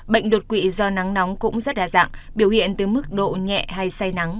bệnh đột quỵ do nắng nóng cũng rất đa dạng biểu hiện từ mức độ nhẹ hay say nắng